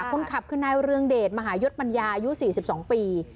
คนขับขึ้นในเรืองเดชมหายศปัญญาอายุสี่สิบสองปี